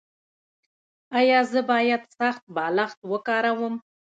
ایا زه باید سخت بالښت وکاروم؟